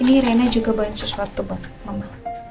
ini rena juga banyak sesuatu buat mama